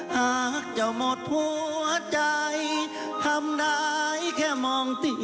หากเจ้าหมดหัวใจทำได้แค่มองติ